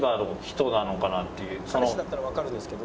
「彼氏だったらわかるんですけど」。